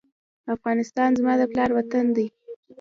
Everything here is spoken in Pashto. افغانستان زما د پلار وطن دی